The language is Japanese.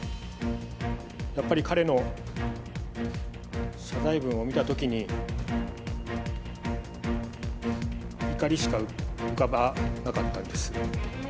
やっぱり彼の謝罪文を見たときに、怒りしか浮かばなかったんです。